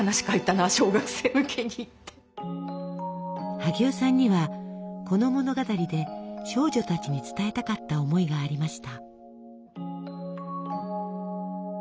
萩尾さんにはこの物語で少女たちに伝えたかった思いがありました。